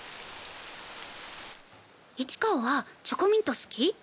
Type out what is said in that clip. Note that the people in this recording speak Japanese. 市川はチョコミント好き？